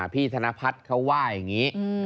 พี่ธนพัฒน์เขาว่าอย่างนี้